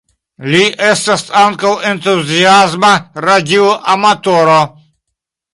Li estas ankaŭ entuziasma radio amatoro.